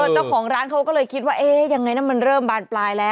เจ้าของร้านเขาก็เลยคิดว่าเอ๊ะยังไงนะมันเริ่มบานปลายแล้ว